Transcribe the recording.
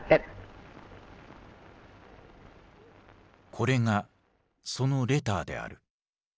これがそのレターである。